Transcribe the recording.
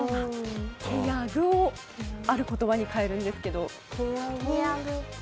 「けやぐ」をある言葉に変えるんですけど。